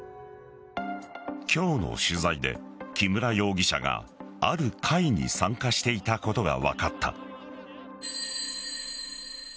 今日の取材で、木村容疑者がある会に参加していたことが分かった。